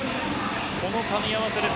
このかみ合わせです。